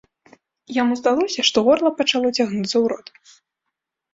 Яму здалося, што горла пачало цягнуцца ў рот.